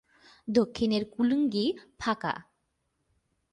দক্ষিণের কুলুঙ্গি ফাঁকা।